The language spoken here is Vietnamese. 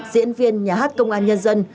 diễn viên nhà hát công an nhân dân